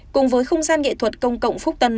cùng với không gian nghệ thuật công cộng phúc tân